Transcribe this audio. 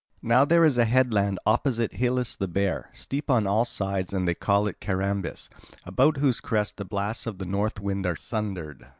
"Now there is a headland opposite Helice the Bear, steep on all sides, and they call it Carambis, about whose crests the blasts of the north wind are sundered.